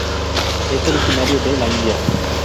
Es originario de la India.